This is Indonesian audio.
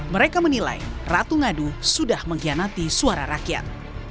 mereka menilai ratu ngadu sudah mengkhianati suara rakyat